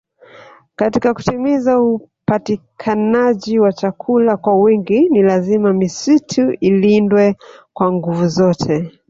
Katika kutimiza upatikanaji wa chakula kwa wingi ni lazima misitu ilindwe kwa nguvu zote